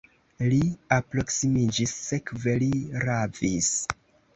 Li alproksimiĝis, sekve li ravis.